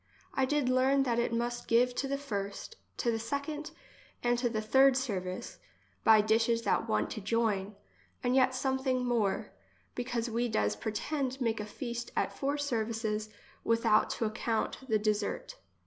I did learn that it must give to the first, to second, and to the third service, by dishes that want to join, and yet some thing more ; because we does pretend make a feast at four services without to ac count the dessert.